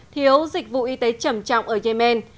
thiếu dịch vụ y tế trầm trọng ở yemen